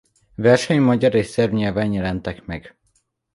Versei magyar és szerb nyelven jelentek meg.